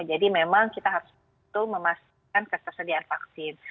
jadi memang kita harus memastikan ketersediaan vaksin